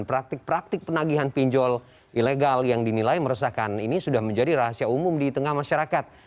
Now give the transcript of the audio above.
praktik praktik penagihan pinjol ilegal yang dinilai meresahkan ini sudah menjadi rahasia umum di tengah masyarakat